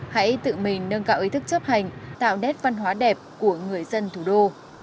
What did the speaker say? hãy tự mình nâng cao ý thức chấp hành tạo nét văn hóa đẹp của người dân thủ đô